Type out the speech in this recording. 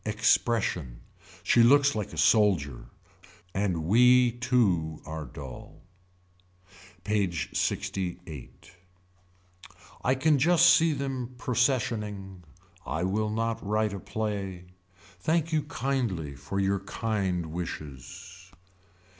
Expression. She looks like the soldier. And we too are dull. PAGE LXIII. I can just see them processioning. I will not write a play. Thank you kindly for your kind wishes.